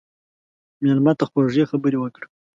مېلمه ته خوږې خبرې وکړه.